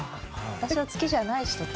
私を好きじゃない人と？